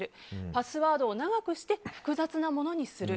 パスワードを長くして複雑なものにする。